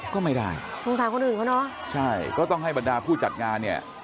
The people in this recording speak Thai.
ก็ไม่ได้สงสารคนอื่นเขาเนอะใช่ก็ต้องให้บรรดาผู้จัดงานเนี่ย